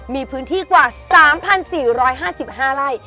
มีพื้นที่กว่า๓๔๕๕ไร่